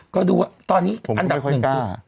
ก็ดูอะตอนนี้อันดับหนึ่งผมคือผมไม่ค่อยกล้า